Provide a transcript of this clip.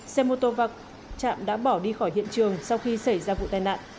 xe mô tô va chạm đã bỏ đi khỏi hiện trường sau khi xảy ra vụ tai nạn